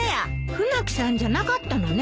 船木さんじゃなかったのね。